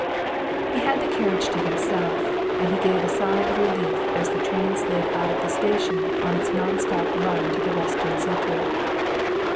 He had the carriage to himself, and he gave a sigh of relief as the train slid out of the station on its non stop run to the western seaport.